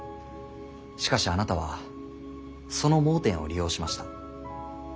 しかしあなたはその盲点を利用しました。